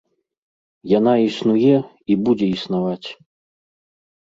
Яна існуе і будзе існаваць.